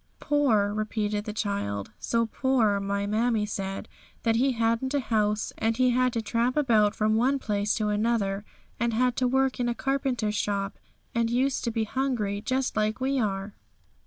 'Poor,' repeated the child; 'so poor, my mammie said, that He hadn't a house, and had to tramp about from one place to another, and had to work in a carpenter's shop, and used to be hungry just like we are.'